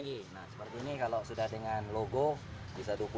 bisa lebih tinggi nah seperti ini kalau sudah dengan logo bisa rp dua puluh